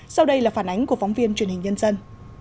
sau đây là phản ánh của phóng viên truyền hình nhân dân